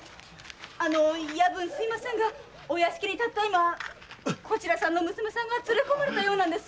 夜分すみませんがお屋敷にたったいまこちらの娘さんが連れ込まれたようなんです。